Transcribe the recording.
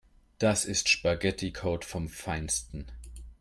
Das ist Spaghetticode vom Feinsten.